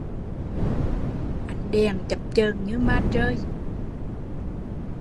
Ánh đèn chập chờn như ma trơi